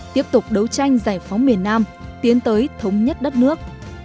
tiếp tục đấu tranh giải phóng miền nam tiến tới thống nhất đất nước